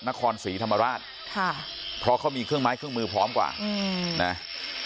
นครศรีธรรมราชค่ะเพราะเขามีเครื่องไม้เครื่องมือพร้อมกว่าอืมนะ